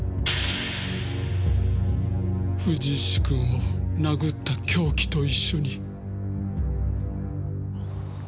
藤石くんを殴った凶器と一緒に。